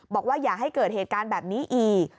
บอกว่าอย่าให้เกิดเหตุการณ์แบบนี้อีก